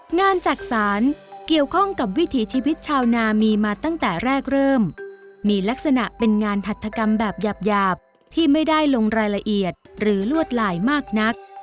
จักษานเกี่ยวข้องกับวิถีชีวิตชาวนามีมาตั้งแต่แรกเริ่มมีลักษณะเป็นงานหัตถกรรมแบบหยาบที่ไม่ได้ลงรายละเอียดหรือลวดลายมากนัก